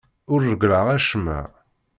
Ur reggleɣ acemma.